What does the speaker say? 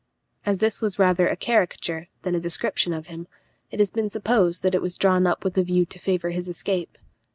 As this was rather a caricature than a description of him, it has been supposed that it was drawn up with a view to favour his escape.